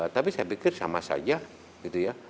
tapi saya pikir sama saja gitu ya